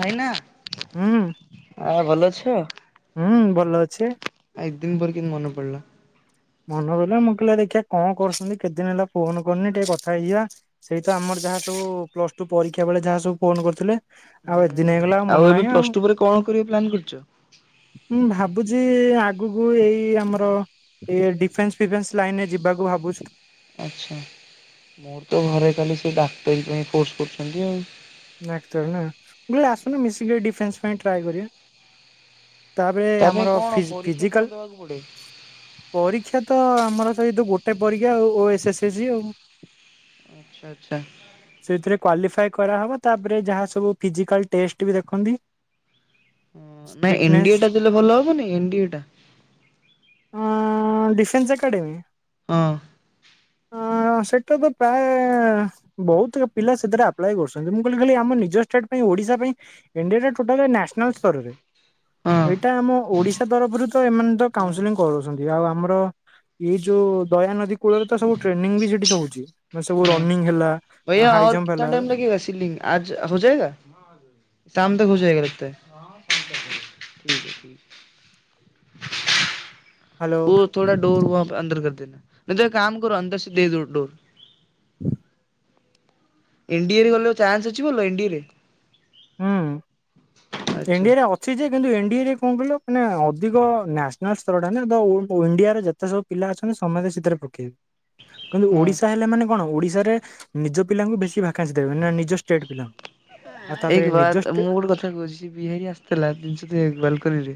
ଭାଇନା। ହୁଁ। ଆ ଭଲ ଅଛ? ହୁଁ ଭଲ ଅଛି। ଆ ଏତ୍ ଦିନ ପରେ କେମିତି ମନେ ପଡ଼ିଲା? ମନ ପଇଲା ମୁଁ କହିଲେ ଆଉ ଦେଖିଆ କଣ କରୁଛନ୍ତି କେତେଦିନ ହେଲା ଫୋନ କରନି ଟିକେ କଥା ହେଇଯିବା। ସେଇ ତ ଆମର ଯାହା ସବୁ ପ୍ଲସ ଟୁ ପରୀକ୍ଷା ବେଳେ ଯାହା ସବୁ ଫୋନ କରୁଥୁଲେ। ଆଉ ଏତ୍ ଦିନ ହୁଁ ହେଇଗଲା ଆଉ ମନ ଏବେ ନାହିଁ ପ୍ଲସ ଆଉ। ଟୁ ପରେ କଣ କରିବ ପ୍ଲାନ୍ କରିଛ? ମୁଁ ଭାବୁଚି ଆଗକୁ ଏଇ ଆମର ଇଏ ଡିଫେନ୍ସ ଫିଫେନ୍ସ ଲାଇନରେ ଯିବାକୁ ଭାବୁଛୁତ। ଆଚ୍ଛା ମୋର ତ ଘରେ କାଲି ସେଇ ଡାକ୍ତରୀ ପାଇଁ ଫୋର୍ସ କରୁଛନ୍ତି ଆଉ। ଡାକ୍ତର ନା ମୁଁ କଇଲି ଆସୁନୁ ମିଶିକି ଏଇ ଡିଫେନ୍ସ ପାଇଁ ଟ୍ରାଏ କରିବା। ତାପରେ ତା ପାଇଁ ଆମର କଣ ଫିଜ୍ ପରୀକ୍ଷା କଣ ଫିଜିକାଲ ଦେବାକୁ ପଡେ? ପରୀକ୍ଷା ତ ଆମର ସେଇ ତ ଗୋଟେ ପରୀକ୍ଷା ଆଉ ଓ ଏସ୍ ଏସ୍ ଜି ଆଉ। ଆଚ୍ଛା ଆଚ୍ଛା। ସେଇଥିରେ କ୍ଵାଲିଫାଏ କରାହବ ତାପରେ ଯାହା ସବୁ ଫିଜିକାଲ ଟେଷ୍ଟ ବି ଦେଖନ୍ତି। ଓ ନାଇଁ ଏନ୍ ଡି ଫିଟନେସ୍ ଏ ଟା ଦେଲେ ଭଲ ହବନି ଏନ୍ ଡି ଏ ଟା। ଅଁ ଡିସେନ୍ସ ଏକଡେମୀ? ହଁ। ଅ ସେଟା ତ ପ୍ରାୟେ ବୋହୁତ ପିଲା ସେଥିରେ ଆପ୍ଲାଏ କରୁଛନ୍ତି ମୁଁ କହିଲି ଖାଲି ଏ ଆମ ନିଜ ଷ୍ଟେଟ୍ ପାଇଁ ଓଡିଶା ପାଇଁ ଏନ୍ ଡି ଏ ଆ ଟୋଟାଲେ ନାସ୍ ନାଲ୍ ସ୍ତରରେ ହଁ ଏଇଟା ଆମ ଓଡ଼ିଶା ତରଫରୁ ତ ଏମାନେ ତ ହଁ କାଉନସେଲିଂ କରୁଚନ୍ତି ଆଉ ଆମର ଏଇ ଯୋଉ ଦୟା ନଦୀ କୂଳରେ ତ ସବୁ ଟ୍ରେନିଂ ବି ସେଠି ଚ ହୋଉଚି। ମାନେ ସବୁ ରନିଙ୍ଗ ହେଲା। ଭାଇୟା ହାଇ ଅର୍ ଜମ୍ପ କ-କ୍ୟା ହେଲା ଟାଇମ ଲାଗେଗା ସିିଲ୍ଲିିଙ୍ଗ ଆଜ୍ ହୋଯାଏଗା ଶାମ ତକ୍ ହୋଇଯାଏଗା ଲଗତା ହେ ଠିକ ହେ ଠ ହ୍ୟାଲୋ ଓ ଥୋଡ଼ା ଡୋର ୱାହାଁପେ ଅନ୍ଦର କରଦେନା ନେହିଁ ତୋ ଏକ କାମ କରୋ ଅନ୍ଦରସେ ଦେଦୋ ଡୋର। ହୁଁ ଏନ୍ ଡି ଏରେ ଗଲେ ଚାନ୍ସ ଅଛି ଭଭ ଏନ୍ ଡି ଏରେ? ହୁଁ ଏନ୍ ଆଚ୍ଛା ଡି ଏରେ ଅ ଛି ଯେ କିନ୍ତୁ ଏନ୍ ଡି ଏ ରେ କଣ କହିଲ ମାନେ ଅଧିକ ନ୍ୟାସନାଲ୍ ସ୍ତରଟା ନା ତ ଓ-ଓ-ଇଣ୍ଡିଆରେ ଯେତେ ସବୁ ପିଲା ଅଛନ୍ତି ସମତେ ସେଇଥିରେ ପକେଇବେ। କିନ୍ତୁ ହଁ ଓଡ଼ିଶା ହେଲେ ମାନେ କଣ ଓଡ଼ିଶାରେ ନିଜ ପିଲାଙ୍କୁ ବେଶୀ ଭାକାନ୍ସି ଦେବେ ମାନେ ନିଜ ଷ୍ଟେଟ୍ ପିଲାଙ୍କୁ। ଆଉ ତାପରେ ଏକ୍ ନିଜ ବାତ୍ ଷ୍ଟେ ମୁଁ ଗୋଟେ କଥା କୋହୁଚି ବିହାରୀ ଆସଥିଲା ଦିନଷ ଦେଇ ବାଲକନିରେ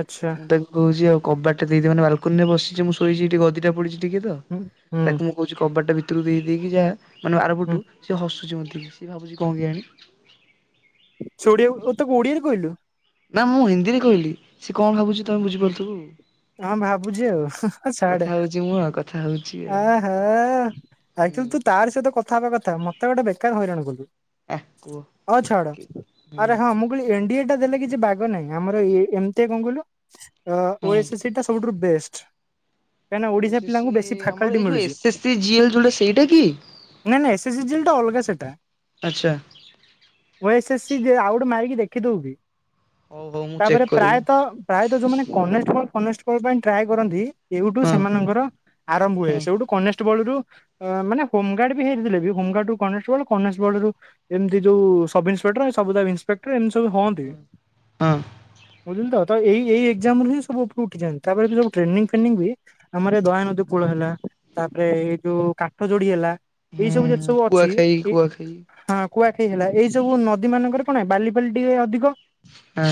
ଆଚ୍ଛା ମୁଁ ତାକୁ କୋହୁଚି ଆଉ କବାଟା ଦେଇଦେ ମାନେ ବାଲକୋନିରେ ବସିଚି ମୁଁ ଶୋଇଚି ଗଦିଟା ପଡିଚି ଟିକେ ତ ହୁଁ ହୁଁ ତାକୁ ମୁଁ କୋହୁଚି କବାଟଟା ଭିତୁରୁକୁ ଦେଇଦେଇକି ଯାଆ ମାନେ ହୁଁ ଆରପଟୁ ସିଏ ହସୁଚି ମତେ ଦେଖିକି। ସିଏ ଭାବୁଚି କଣ କୟାଣି? ସେ ଓଡିଆ ଓ ତାକୁ ଓଡିଆରେ କହିଲୁ? ନା ମୁଁ ହିନ୍ଦୀରେ କହିଲି ସିଏ କଣ ଭାବୁଚି ତମେ ବୁଝିପାରୁଥୁବୁ। ହଁ ଭାବୁଚି ଆଉ ଆ ଛାଡେ। ଆଜି ମୁଁ ଆ କଥାହୋଉଚି। ଓହୋ ଆଇ ତୁ ତୁ ତାରି ସହିତ କଥାହବା କଥା ମତେ ଗୋଟେ ବେକାର ହଇରାଣ କଲୁ। ଆ କୁହ ଅ ଛାଡ ହୁଁ ଆରେ ହଁ ମୁଁ ପୁଣି ଏନ୍ ଡି ଏ ଟା ଦେଲେ କିଛି ବାଗ ନାଇଁ ଆମର ଏ-ଏମତିଆ କଣ କହିଲୁ ଅ-ଓ ହଁ ଏସ୍ ଏସ୍ ସି ରୁ ବେଷ୍ଟ। କାହିଁକିନା ଓଡିଶା ଓଏସସି ପିଲାଙ୍କୁ ବେଶୀ ଆମର ଫାକଲ୍ଟି ଏଇ ଯୋଉ ମିଳୁଛି। ଏସଏସସି ଜିଏଲ ଯୋଉଟା ସେଇଟା କି ନାଇଁ ନାଇଁ ସେ ସିଜିନଟା ଅଲଗା ସେଟା। ଆଚ୍ଛା। ଓ ଏସ୍ ଏସ୍ ସି ଯେ ଆଉ ଗୋଟେ ମାରିକି ଦେଖିଦୋଉ କିି ହଉ ହଉ ମୁଁ ଚେକ୍ ତାପରେ କରିବି ପ୍ରାୟେତ ପ୍ରାୟେତ ଯୋଉମାନେ କନେଷ୍ଟବଳ ଫନେଷ୍ଟବଳ ପାଇଁ ଟ୍ରାଏ କରନ୍ତି ଏଉଠୁ ହଁ ସେମାନଙ୍କର ଆରମ୍ଭ ହୁଏ ହଁ ସେଇଠୁ କନେଷ୍ଟବଳ ରୁ ଅ ମାନେ ହୋମ ଗାର୍ଡ ବି ହେଇଥିଲେ ବି ହୋମଗାର୍ଡ ରୁ କନେଷ୍ଟବଳ ଗଣନେଷ୍ଟବଳ ରୁ ଏମିତି ଯୋଉ ସବ ଇନ୍ସପେକ୍ଟର ଏ ସବୁ [unintelligible] କ୍ଟର ଏମିତି ସବୁ ହୁଅନ୍ତି ହଁ ବୁଝିଲୁ ତ ଏଇ ଏଇ ଏକ୍ଜାମରୁୁ ହିଁ ସବୁ ଉପରୁ ଉଠିଯାଆନ୍ତି। ତାପରେ ବି ସବୁ୍ ଟ୍ରେନିଙ୍ଗ ଆମର ଦୟାନଦୀ କୂଳ ହେଲା ତାପରେ ଏଇ ଯୋଉ କାଠ ଯୋଡି ହେଲା ଏଇ ସବୁ ଯେତେ ହୁଁ ସବୁ ଅଛି କୁଆଖାଇ ଏ କୁଆଖାଇ ହଁ। କୁଆଖାଇ ହେଲା ଏଇ ସବୁ ନଦୀ ମାନଙ୍କରେ କଣ ବାଲିଫାଲି ଟିକେ ଅଧିକ। ହଁ।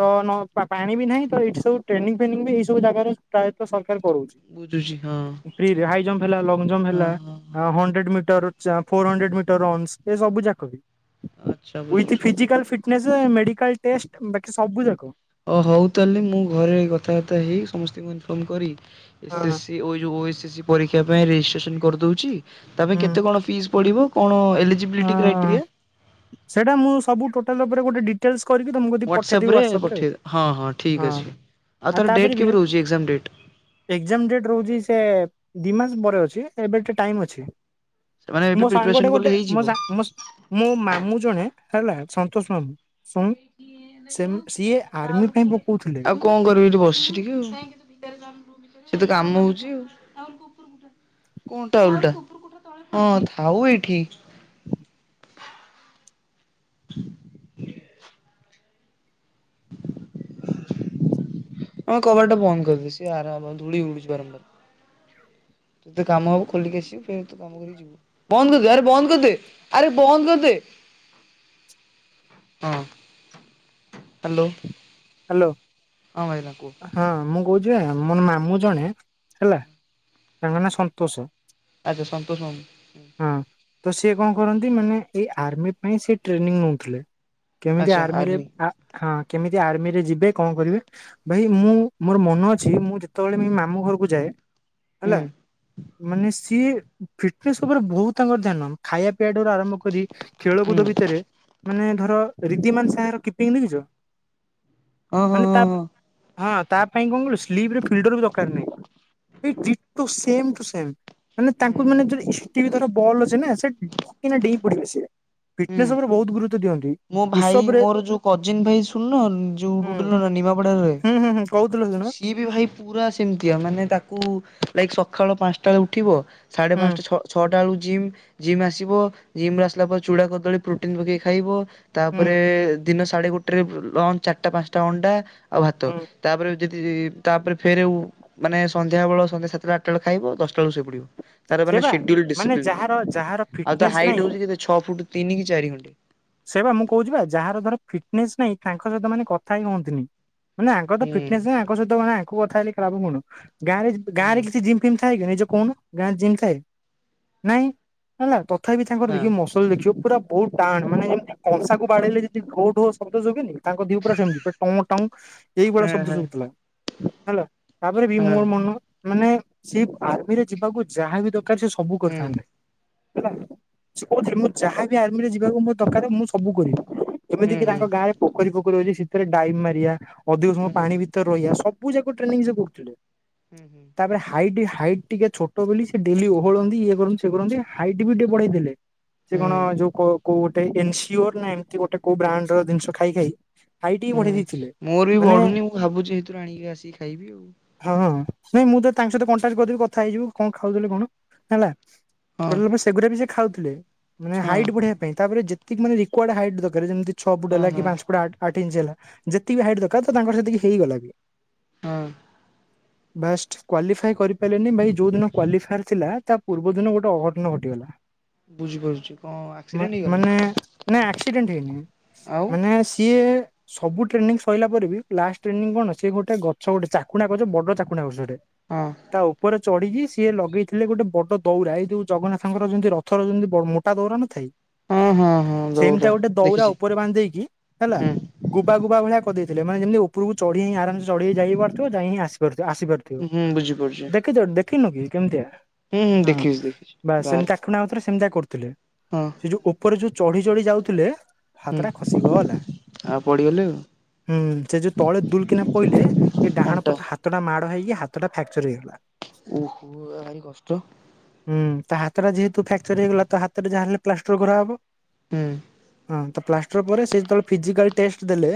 ତ ପାଣି ବି ନାହିଁ ତ ଏଠି ସବୁ ଟ୍ରେନିଂ ଫେନିଂ ବି ଏଇ ସବୁ ଜାଗାରେ ପ୍ରାୟତଃ ସରକାର କରଉଛି। ବୁଝୁଛି ହଁ ଫ୍ରୀ ରେ ହାଇ ଜମ୍ପ ହେଲା ଲଙ୍ଗ ଜମ୍ପ ହଁ ହେଲା ହଁ ହଁ ହଣ୍ଡ୍ରେଡ ମିଟ ମିଟର ଚା ଫୋର୍ ହଁଡ୍ରେଡ୍ ମିଟର୍ ଅ ସେ ସବୁ ଯାକ ବି ଆଚ୍ଛା ୱିଥ ବୁଝୁଛି physical fit fitness medical test ବାିକି ସବୁ ଯାକ। ଓ ହଉ ତାହେଲେ ମୁଁ ଘରେ କଥାବାର୍ତ୍ତା ହେଇ ସମସ୍ତଙ୍କୁ ଇନଫର୍ମ କରି ଏ ଏସ୍ ହଁ ସ ଯଉ ଓ ଏସ୍ ଏସ୍ ସି ପରୀକ୍ଷା ପାଇଁ ରେଜିଷ୍ଟ୍ରେସନ କରିଦଉଛି ତା ପାଇଁ ହୁଁ କେତେ କଣ ଫିସ୍ ପଡ଼ିବ କ ଣ ଏଲିଜିବିଲିଟି କ୍ରାଇଟେରିଆ ସେଇଟା ମୁଁ ସବୁ ଟୋଟାଲ ଉପରେ ଗୋଟେ ଡି ହ୍ୱାଟସଆପ ରେ ପଠେଇବ ହଁ ହଁ ଠିକ ଅଛି। ଆଉ ତାର ଡେଟ୍ କେବେ ରହୁଛି ଏକ୍ଜାମ ଡେଟ୍। ଏଜାମ ଡେଟ ରହୁଛି ସେ ଦି ମାସ ପରେ ଅଛି ଏବେତ ଟାଇମ ଅଛି। ମାନେ ଏବେ ମୋ ପ୍ରିପାରେସନ୍ ସାଙ୍ଗୋଟେ କଲେ ଗୋଟେ ମୋ ହେଇଯିବ? ସାଙ୍ଗ ମୋ ସା ମୋ ମାମୁଁ ଜଣେ ହେଲା ସନ୍ତୋଷ ମାମୁଁ ଶୁଣ ସେ ସିଏ ଆର୍ମି ପାଇଁ ପକଉଥିଲେ ଆଉ କଣ କରିବି ଏଠି ବସିଛି ଟିକେ ଆଉ ସେଠି କାମ ହଉଚି ଆଉ। କଣଟା ଓଲଟା ହଁ ଥାଉ ଏଇଠି। ଆଁ କବଟ ଟା ବନ୍ଦ କରିଦେଉଛି [unintelligible] ଧୁଳି ଉଡୁଛି ବାରମ୍ବାର। ତତେ କାମ ହବ ଖୋଲିକି ଆସିବୁ ଫେରେ ତୋ କାମ କରିକି ଯିବୁ ବନ୍ଦ କରିଦେ ଆରେ ବନ୍ଦ କରିଦେ ଆରେ ବନ୍ଦ କରିଦେ ହଁ ହ୍ୟାଲୋ। ହ୍ୟାଲୋ। ହଁ ଭାଇନା କୁହ। ହଁ ମୁଁ କହୁଛି ମୋର ମାମୁଁ ଜଣେ ହେଲା ତାଙ୍କ ନା ସନ୍ତୋଷ। ଆଚ୍ଛା ସନ୍ତୋଷ ମାମୁଁ ହଁ ତ ସିଏ କଣ କରନ୍ତି ମାନେ ଏଇ ଆର୍ମି ପାଇଁ ସେ ଟ୍ରେନିଂ ନଉଥିଲେ। କେମିତି ଆଚ୍ଛା ଆର୍ମିରେ ଆର୍ମି ଆ ହଁ କେମିତି ଆର୍ମି ଯିବେ କଣ କରିବେ ଭାଇ ମୁଁ ମୋର ମନ ଅଛି ମୁଁ ଯେତେବେଳେ ମୋ ମାମୁଁ ଘରକୁ ଯାଏ। ହେଲା ହୁଁ ମାନେ ସିଏ ଫିଟନେସ୍ ଉପରେ ବୋହୁତ ତାଙ୍କର ଧ୍ୟାନ। ଖାଇବା ପିଇବା ଠାରୁ ଆରମ୍ଭ କରି ହୁଁ ଖେଳକୁଦ ଭିତରେ ମାନେ ଧର ରିଦ୍ଦିମାନ ସାରଙ୍କ କିପିଙ୍ଗ ଦେଖିଛ? ହଁ ହଁ ମାନେ ହଁ ତା ହଁ। ହଁ ତା ପାଇଁ କଣ କଲୁ ସ୍ଲିପ ରେ ଫିଲଟର ବି ଦରକାର ନାହିଁ। ସେ ଡିଟୋ ସେମ ଟୁ ସେମ ମାନେ ତାଙ୍କୁ ହୁଁ ମାନେ ଯଦି [unintelligible] ଧର ବଲ୍ ଅଛି ନା ସେ ଫଟ କିନା ଡେଇଁ ପଡିବେ ସିଏ ହୁଁ। ଫିଟନେସ୍ ଉପରେ ବୋହୁତ ଗୁରୁତ୍ଵ ଦିଅନ୍ତୁ। ମୋ ଭାଇ ମୋର ଯୋଉ କଜିିନ ଭାଇ ଶୁଣୁନ ଯୋଉ ଗୁଡୁ ହୁଁ ନାନା ନିମାପଡାରେ ରହେ। ହୁଁ ହୁଁ କହୁଥିଲ ହେଦୀନ ସିଏ ବି ଭାଇ ପୁରା ସେମିତିଆ ମାନେ ତାକୁ ଲାଇକ୍ ସକାଳ ପାଞ୍ଚଟା ବେଳେ ଉଠିବ ସାଢ଼େ ହୁଁ ପାଞ୍ଚଟା ଛଅ ଛଅଟା ବେଳକୁ ଜିମ୍ ଜିମ୍ ଆସିବ ଜିମ ରୁ ଆସିଲା ପରେ ଚୁଡ଼ା, କଦଳୀ, ପ୍ରୋଟିନ ପକେଇକି ଖାଇବ। ହୁଁ ତାପରେ ଦିନ ସାଢେ ଗୋଟେରେ ଲଞ୍ଚ ଚାରିଟା ପାଞ୍ଚଟା ଅଣ୍ଡା ଆଉ ଭାତ ହୁଁ ତାପରେ ଯଦି ତାପରେ ଫେର ମାନେ ସନ୍ଧ୍ୟାବେଳ ସନ୍ଧ୍ୟା ସାତଟା ଆଠଟା ବେଳେ ଖାଇବ ଦଶଟା ବେଳକୁ ଶୋଇ ପଡିବ। ତାର ସେ ମାନେ ବା ସେଡୁଲ ମାନେ ଡିସିପ୍ଲିନ ଯାହାର ଯାହାର ଆଉ ତା ଫିଟନେସ୍ ହାଇଟ୍ ନାହିଁ ହଉଛି କେତେ ଛଅ ଫୁଟ ତିନି କି ଚାରି ଖଣ୍ଡେ। ସେଇ ବା ମୁଁ କହୁଛି ବା ଯାହାର ଧର ଫିଟନେସ ନାଇଁ ତାଙ୍କ ସହିତ ମାନେ କଥା ହିଁ ହୁଅନ୍ତିନି। ମାନେ ଆଙ୍କରତ ହୁଁ ଫିଟନେସ୍ ନାଇଁ ଆଙ୍କ ସହିତ କଥା ହେଲେ ଲାଭ କଣ ଗାଁରେ ଗାଁ ରେ ହୁଁ କିଛି ଜିମ ଜିମ ଥାଏ କି ନିଜେ କହୁନ। ଗାଁ ରେ ଜିମ ଥାଏ? ନାଇଁ ହେଲା ତଥାପି ତାଙ୍କର ନା ଦେଖିବ ମସ ସଲ୍ ଦେଖିବ ପୁରା ବହୁତ ଟାଣ ମାନେ ଯେମିତି କଂସାକୁ ବାଡେଇଲେ ଜେମିତି ଢୋ ଢୋ ଶଦ୍ଦ ସୁବେନି ତାଙ୍କ ଦିହ ପୁରା ସେମିତି ଟଙ୍ଗ ଟଙ୍ଗ ହଁ ଏଇଭଳିଆ ଶବ୍ଦ ହଁ ଶୁବୁଥିଲା। ହେଲା ତାପରେ ବି ହଁ ମୋର ମନ ମାନେ ସେ ଆର୍ମିରେ ଯିବାକୁ ଯାହା ବିି ଦରକାର ସେ ସବୁ ହୁଁ କରିଥାନ୍ତେ। ହେଲା ସେ କହୁଥିଲେ ମୁ ଯାହାବି ଆର୍ମିରେ ଯିବାକୁ ମୋ ଦରକାର ମୁଁ ସବୁ କରିବି। ଏମିତି ହୁଁ କିି ହୁଁ ତାଙ୍କ ଗାଁରେ ପୋଖରି ପୋଖରୀ ଅଛି ସେଥିରେ ଡାଇବ ମାରିବା ଅଧିକ ସମୟ ହୁଁ ହୁଁ ପାଣି ଭି ତରେ ରହିବା ସବୁ ଯାକ ଟ୍ରେନିଂ ସେ କରୁଥିଲେ। ହୁଁ ହୁଁ। ତାପରେ ହାଇଟ ହାଇଟ୍ ଟିକେ ଛୋଟ ବୋଲି ସେ ଡେଲି ଓହଳନ୍ତି ଇଏ କରନ୍ତି ସେ କରନ୍ତି ହାଇଟ୍ ବି ଟିକେ ବଢେଇ ଦେଲେ। ସେ ହୁଁ। କଣ ଯୋଉ କୋଉ ଗୋଟେ ଏନସିଓ ନା ଏମତି ଗୋଟେ କୋଉ ବ୍ରାଣ୍ଡ ର ଜିନିଷ ଖାଇ ଖାଇ ହାଇଟ୍ ହିଁ ହୁଁ ବଢେଇ ଦେଇଥିଲେ। ମୋର ବି ମାନେ ବଢୁନି ମୁଁ ଭାବୁଛି ହେଥିରୁ ଆଣିକି ଆସିକି ଖାଇବି ଆଉ। ହଁ ହଁ ନାଇ ମୁଁ ତ ତାଙ୍କ ସହିତ କଣ୍ଟାକ୍ଟ କରିଦେବି କଥା ହେଇଯିବୁ କଣ ଖାଉଥିଲେ କଣ ହେଲା। ଆଉ ଟୋଟାଲ ପୁରା ସେଗୁଡା ବି ସେ ଖାଉଥିଲେ ମାନେ ହଁ ହାଇଟ୍ ହଁ ବଢିବା ପାଇଁ। ତାପରେ ଯେତିକି ମାନେ ରିକ୍ୱାର୍ଡ଼ ହାଇଟ ଦରକାର ଯେମିତି ଛଅ ଫୁଟ ହେଲା କି ହଁ ହଁ ପାଞ୍ଚ ଫୁଟ ଆଠ ଆଠ ଇଞ୍ଚି ହେଲା। ଯେତିକି ହାଇଟ ଦରକାର ତ ତାଙ୍କର ସେତିକି ହେଇଗଲା ବି। ହଁ। ବାଷ୍ଟ କ୍ୱାଲିଫାଏ କରିପାରିଲେନି ଭାଇ ଯୋଉ ଦିନ କ୍ୱାଲିଫାୟାର ଥିଲା ତା ପୂର୍ବ ଦିନ ଗୋଟେ ଅଘଟଣ ଘଟିଗଲା। ବୁଝିପାରୁଚଛି କଣ ମା ଆକ୍ସିଡେଣ୍ଟ ହେଇ ମାନେ ନା ଆକ୍ସିଡେଣ୍ଟ ହେଇନି ଆଉ ମାନେ ସିଏ ସବୁ ଟ୍ରେନିଂ ସଇଲା ପରେ ବି ଲାଷ୍ଟ ଟ୍ରେନିଂ କଣ ସେ ଗୋଟେ ଗଛ ଗୋଟେ ଚାକୁଣ୍ଡା ଗଛ ବଡ ଚାକୁଣ୍ଡା ଗଛଟେ ହଁ। ତା ଉପରେ ଚଢିକି ସିଏ ଲଗେଇଥିଲେ ଗୋଟେ ବଡ ଦୌଡ଼ା। ଏଇ ଯୋଉ ଜଗନ୍ନାଥଙ୍କର ଯେମିତି ରଥ ରଥ ର ଯେମିତି ମୋଟା ଦୌଡ଼ା ନ ଥାଏ। ହଁ ହଁ ହଁ ସେମିତିଆ ଦୌରା ଗୋଟେ ଦୋଉରା ଦେଖିଛି ଉପରେ ବାନ୍ଧେଇକି ହେଲା ହୁଁ ଗୁବା ଗୁବା ଭଳିଆ କରିଦେଇଥିଲେ। ମାନେ ଯେମିତି ଓପରୁକୁ ଚଢ଼ିଁ ଆରମ ସେ ଚଢ଼ିକି ଯାଇପାରୁଥିବ ଯାଇହିଁ ଆସି ପାରୁଥିବ ଆସି ପାରୁ ଥିବ। ହୁଁ ବୁଝିପାରୁଛି ଦେଖିଚ ଦେଖିନୁ କି କେମିତିଆ ହୁଁ ହୁଁ ହଁ ଦେଖିଛି ଦେଖିଛି ବାସ ଗାଁରେ ସେମିତିଆ ସେ ଆଉଥରେ ସେମିତିଆ କରୁଥିଲେ। ହଁ। ସେ ଯୋଉ ଉପରେ ଯୋଉ ଚଢି ଚଢି ଯାଉଥିଲେ ହାତ ଟା ଖସିଗଲା। ଗଲେ ଆଉ। ହୁଁ ସେ ଯୋଉ ତଳେ ଦୁଲ୍ କିିନା ପଇଲେ ଏ ଡାହାଣ ଅଣ୍ଟା ପଟ ହାତ୍ ହାତଟା ମାଡ଼ ହେଇକି ହାତଟା ଫ୍ୟାକ୍ଚର ହେଇଗଲା। ଓହୋ ଏ ଭାରି କଷ୍ଟ। ହୁଁ ତା ହାତଟା ଯେହେତୁ ଫ୍ୟାକ୍ଚର ହେଇଗଲା ତ ହାତଟା ଯାହା ହେଲେ ପ୍ଲାଷ୍ଟର କରାହବ ହୁଁ। ହଁ ତ ପ୍ଲାଷ୍ଟର ପରେ ସେ ଯେତେବେଳେ ଫିଜିକାଲ୍ ଟେଷ୍ଟ ଦେଲେ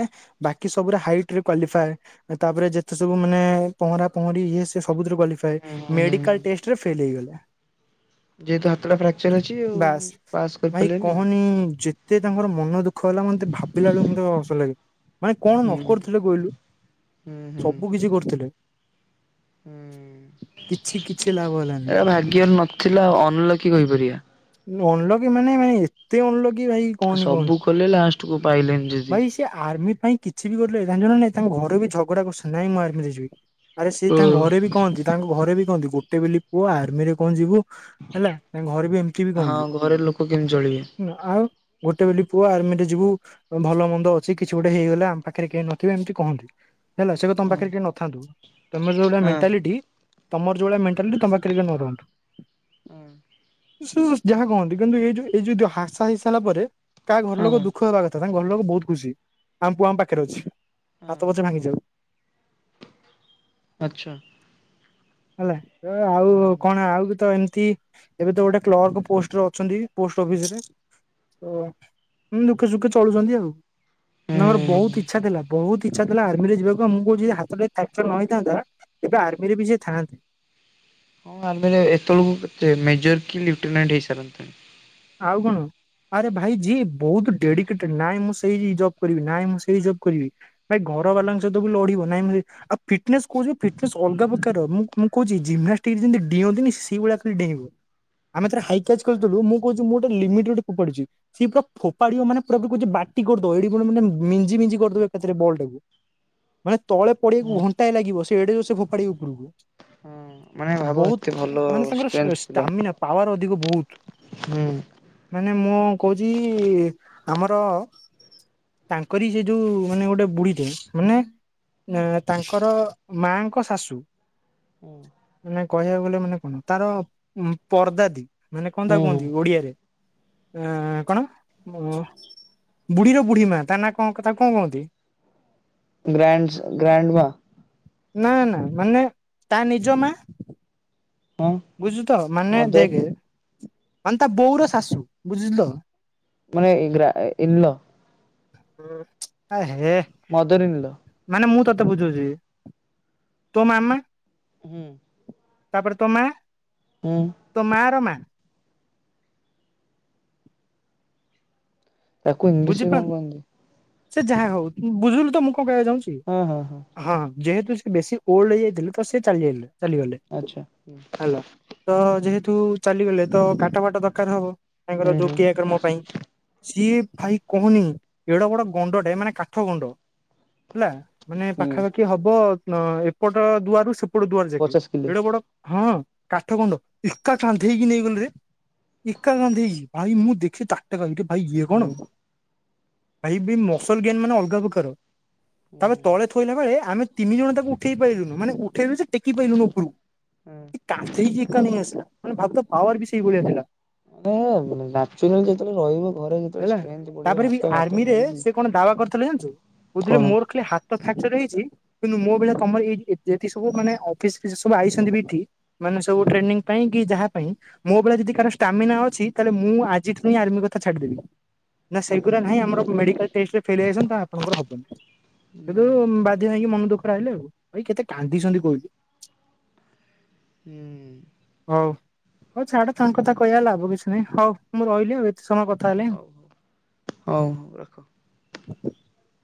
ବାକି ସବୁ ହାଇଟ୍ ରେ କ୍ୱାଲିଫାଏ ତାପରେ ଯେତେ ସବୁ ମାନେ ପହଁରା ପହଁରି ଇଏ ସେ ସବୁ କ୍ୱାଲି ହୁଁ ହୁଁ ହୁଁ ହୁଁ ମେଡିକାଲ ଟେଷ୍ଟରେ ଫେଲ୍ ହେଇଗଲେ। ଯେହେତୁ ହାତଟା ଫ୍ୟାକ୍ଚର ଅଛି ଆଉ ପାସ୍ ଭାଇ କରିପାରିଲେନି ଆଉ କହନି ଯେତେ ତାଙ୍କର ମନ ଦୁଃ ଖ ହେଲା ମୋତେ ଭାବିଲା ବେଳକୁ ମୋତେ ହସ ଲାଗେ ମାନେ କଣ ହୁଁ ନ କରିଥିଲେ କହିଲୁ। ହୁଁ ହୁଁ ସବୁ କିଛି କରୁଥିଲେ। ହୁଁ କିଛି କିଛି ଲାଭ ହେଲାନି। ଏରା ଭାଗ୍ୟରେ ନଥିଲା ଆଉ ଅନ୍ ଲକୀ କହିପାରିବା। ଅନ୍ ଲକି ମାନେ ମାନେ ଏତେ ଅନ୍ ଲକି ଭାଇ। ଆ କହନି ସବୁ କଲେ ଲାଷ୍ଟକୁୁ ପାଇଲେନି ଯଦି। କି ଆର୍ମି ପାଇଁ କିଛି ବି କରିଦେଲେ ଜାଣିଚୁ ନା ନାଇଁ ତାଙ୍କ ଘରେ ବି ଝଗଡା କରିସନ୍ତି ନାଇଁ ମୁଁ ଆର୍ମିରେ ଯିବି। ଆରେ ସେ ତାଙ୍କ ହୁଁ। ଘରେ ବି କହନ୍ତି ତାଙ୍କ ଘରେ ବି କହନ୍ତି ଗୋଟେ ବୋଲି ପୁଅ ଆର୍ମିରେ କଣ ଯିବୁ ହେଲା ତାଙ୍କ ଘରେ ବି ଏମିତି ବି କୁହନ୍ତି। କିି ଜଳଳିେ [unintelligible] ମୁଁ ଆଉ ଗୋଟେ ବଲି ପୁଅ ଆର୍ମିରେ ଯିବୁ ଭଲ ମନ୍ଦ ଅଛି କିଛି ଗୋଟେ ହେଇଗଲା ଆମ ପାଖରେ କେହି ନଥିବେ ଏମିତି କହନ୍ତି। ହେଲା ସେ କହେ ତମ ହଁ ପାଖରେ କେ ନଥାନ୍ତୁ ତମେ ଯୋଉ ଭଳିଆ ହଁ ମେଣ୍ଟାଲିଟି ତମର ଯଉଭଳିଆ ମେଣ୍ଟାଲିଟି ତମ ପାଖେରେ କେହି ନ ରୁହନ୍ତୁ। ଉଁ। ଶଣୁ ଯାହା କହନ୍ତି କିନ୍ତୁ ଏଇ ଯୋଉ ଏଇ ଯ- ଯଦି ହାଦସା ହେଇସାରିଲା ପରେ କାହା ଘରଲୋକ ଲୋକ ହଁ ଦୁଃଖ ହେବା କଥା ତ ତାଙ୍କ ଘର ଲୋକ ବହୁତ ଖୁସି ଆମ ପୁଅ ଆମ ପାଖରେ ଅଛି ହଁ ହାତ ପଛେ ଭାଙ୍ଗି ଯାଉ। ଆଚ୍ଛା। ହେଲା ଆଉ ହୁଁ କଣ ଆଉ କି ତ ଏମିତି ଏବେ ତ ଗୋଟେ କ୍ଲର୍କ ପୋଷ୍ଟରେ ଅଛନ୍ତି ପୋଷ୍ଟ ଅଫିସ ରେ ଓ ଦୁଃଖେ ସୁଖେ ଚଳୁଚନ୍ତି ଆଉ। ନା ମୋର ବହୁତ ହଁ ଇଚ୍ଛା ଥିଲା ବହୁତ ଇଛା ଥିଲା ଆର୍ମିରେ ଯିବାକୁ ଆ ମୁଁ କହୁଚି ଯଦି ହାତଟା ଫ୍ୟାକଚର୍ ନ ହେଇଥାନ୍ତା ଏବେ ଆର୍ମିରେ ବି ସେ ଥାନ୍ତେ। ହଁ ଆର୍ମିରେ ଏତେବେଳକୁ କେତେ ମେଜର କି ଲିଫଟନାଣ୍ଟ ହେଇସାରନ୍ତେଣି। ଆଉ କଣ ଆରେ ଭାଇ ଯିଏ ବହୁତ୍ ଡେଡିକେଟେଡ୍ ନାଇଁ ମୁଁ ସେଇ ଜବ୍ କରିବି ନାଁଇ ମୁଁ ସେଇ ଜବ୍ କରିବି ଭାଇ ଘର ହୁଁ ବାଲାଙ୍କ ସହିତ ବି ଲଢିବ ନାଇଁ ମୁଁ ଏ ଆଉ ଫିଟନେସ୍ କହୁଚି ଫିଟନେସ୍ ଅଲଗା ପ୍ରକାର ମୁଁ ମୁଁ କହୁଛି ଜିମ୍ନାଷ୍ଟିକ୍ ଯେନ୍ତି ଡିଅନ୍ତିିନି ସେଇ ଭଳିଆ ଖାଲି ଡେଇଁବ। ଆମେ ଥରେ ହାଇ କ୍ୟାଚ୍ କରିଦବୁ ମୁଁ କହୁଚି ମୁଁ ଗୋଟେ ଲିମିଟ୍ ରେ ଗୋଟେ ଫୋପାଡୁଚି ସିଏ ପୁରା ଫୋପାଡିିବ ମାନେ ପୁରା ପୁରି କହୁଚି ବାଟି କରିଦବ ଏଠି ପ ମାନେ ମିଞ୍ଜି ମିଞ୍ଜି କରିଦବ ଏକାଥରେ ବଲ୍ ଟାକୁ। ମାନେ ତଳେ ପଡିବାକୁ ହୁଁ ଘଣ୍ଟାଏ ଲାଗିବ ସେ ଏଡେ ଜୋର୍ ସେ ଫୋପାଡିବ ଉପରକୁ ମାନେ ଭାବ ବହୁତ୍ ଏତେ ଭଲ ମାନେ ଷ୍ଟ୍ରେନ୍ଥ ତାଙ୍କର ଥିଲା। ଷ୍ଟାମିନା ପାୱାର ଅଧିକ ବହୁତ୍। ହୁଁ। ମାନେ ମୁଁ କହୁଚି ଆମର ତାଙ୍କରି ସେ ଯୋଉ ମାନେ ଗୋଟେ ବୁଢୀଟେ ମାନେ ତାଙ୍କର ମାଙ୍କ ଶାଶୁ ହଁ ମାନେ କହିବାକୁ ଗଲେ ମାନେ କଣ ତାର ପର୍ଦା ଦି ମାନେ କଣ ତାକୁ କୁହନ୍ତି ହୁଁ ଓଡିଆରେ ଅ କଣ ବୁଢୀର ବୁଢ଼ୀ ମା ତା ନା କଣ କଥା କଣ କହନ୍ତି ଗ୍ରାଣ୍ଡସ ଗ୍ରାଣ୍ଡ ମା ନା ନା ମାନେ ତା ନିଜ ମା ହଁ ବୁଝିଲୁ ତ ମାନେ ମଦର ଦେଖେ ମାନେ ତା ବୋଉର ଶାଶୁ ବୁଝିଲ ତ ମାନେ ଇଗ୍ରା ଇନଲ ଛୁ ଆ ହେ ମଦର ଇନ୍ ଲ ମାନେ ମୁଁ ତତେ ବୁଝୁଛି ତୋ ମାମା ହୁଁ ତାପରେ ତୋ ମା ହୁଁ ତୋ ମା ର ମାଆ ତାକୁ ଇଂଲିଶରେ କଣ ବୁଝିପାରୁନୁ କହନ୍ତି? ସିଏ ଯାହା ହଉ ବୁଝିଲୁ ତ ମୁଁ କଣ କହିବାକୁ ଚାହୁଁଛି ହଁ ହଁ ହଁ ହଁ ଯେହେତୁ ସେ ବେଶୀ ଓଲଡ ହେଇ ଯାଇଥିଲେ ତ ସେ ଚାଲିଯାଇଥିଲେ ଚାଲିଗଲେ ଆଚ୍ଛା ହୁଁ ହେଲା ତ ଯେହେତୁ ଚାଲିଗଲେ ତ କାଟ ଫାଟ ଦରକାର ହବ ତାଙ୍କର ଯୋଉ କ୍ରିୟା କର୍ମ ପାଇଁ ସିଏ ଭାଇ କହୁନି ଏଡବଡ଼ ଗଣ୍ଡଟେ ମାନେ କାଠ ଗଣ୍ଡ ହେଲା ମାନେ ହୁଁ ପାଖାପାଖି ହବ ଏପଟ ଦୁଆରୁ ସେପଟ ଦୁଆର ଯାକେ ପଚାଶ କିଲେ ଏଡ ବଡ ହଁ କାଠ ଗୁଣ୍ଡ ଏକା କାନ୍ଦେଇକି ନେଇଗଲେ ରେ ଏକା କାନ୍ଧେଇକି ଭାଇ ମୁଁ ଦେଖେ ତାଟ କାଇ ଭାଇ ଇଏ ହୁଁ। କଣ ଭାଇ ବେ ମସଲ ଗେମ ମାନେ ଅଲଗା ପ୍ରକାର ହୁଁ ତାପରେ ତଳେ କହିଲା ବେଳେ ଆମେ ତିନି ଜଣ ତାକୁ ଉଠେଇ ପାଇଲିନୁ ମାନେ ଉଠେଇଲୁ ସେ ଟେକି ପାଇଲୁ ନୁ ଉପରକୁ। ହୁଁ। କନ୍ଧେଇକି ଏକା ନେଇ ଆସିଲା ମାନେ ଭାବୁତା ପାୱାର ବି ସେଇଭଳିଆ ଥିଲା। ଓ [inaudible] ଯେତେବେଳେ ରହିବ ଘରେ ହେଲା। ଯେତେବେଳେ ବିବ ତାପରେ ବି ଭାତ ଭାତ ଖାଇକି ବୁଝିଲୁ କଣ ମୋର ଖାଲି ହା ହାତ ଫାକ୍ଚର ହେଇଛି କିନ୍ତୁ ମୋ ଭଳିଆ ତମର ଏଇ ଏଠି ସବୁ ମାନେ ଅଫିସ ଫି ସବୁ ଆଇଛନ୍ତି ଏଠି ମାନେ ସବୁ ହୁଁ ଟ୍ଟ୍ରେନିଂ ପାଇଁ କି ଯାହା ପାଇଁ ମୋ ଭଳିଆ ଯଦି କାର ଷ୍ଟାମିନା ଅଛି ତାହେଲେ ମୁଁ ଆଜି ପାଇଁ ଆର୍ମି କଥା ଛାଡିଦେବି। ନା ସେଗୁଡ଼ା ହୁଁ ନାହିଁ ଆମର ହଉ ମେଡିକାଲ ଟେଷ୍ଟ ରେ ଫଲେ ହୋଇଯାଈଛନ୍ତି ଆପଣର ହବ। କିନ୍ତୁ ବାଧ୍ୟ ହେଇକି ମନ ଦୁଃଖ ରହିଲେ ଆଉ ଭାଇ କେତେ କାନ୍ଦିଛନ୍ତି କହିଲୁ। [inaudible] ହୁଁ। ହଉ ହଉ ଛାଡ ତାଙ୍କ କଥା କହିବା ଲାଭ କିଛି ନାହିଁ ହଉ ମୁଁ ରହିଲି ଆଉ ଏତେ ସମୟ କଥା ହେଲେନି। ହଉ ହଉ ରଖ। [inaudible]